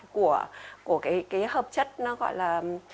của cái hợp chất nó gọi là